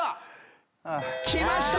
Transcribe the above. きました！